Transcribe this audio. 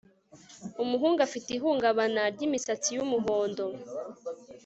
Umuhungu afite ihungabana ryimisatsi yumuhondo